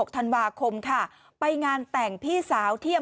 ธันวาคมค่ะไปงานแต่งพี่สาวเที่ยง